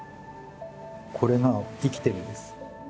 これが生きてるんです。